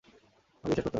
আমাকে বিশ্বাস করতে পারেন।